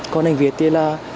còn anh việt thì là